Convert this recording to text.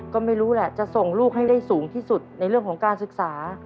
ก็ไม่รู้แหละจะส่งลูกให้ได้สูงที่สุดในเรื่องของการศึกษา